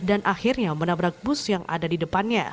dan akhirnya menabrak bus yang ada di depannya